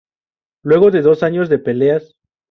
Luego de dos años de peleas.